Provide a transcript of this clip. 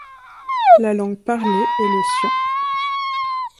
La langue parlée est le sian.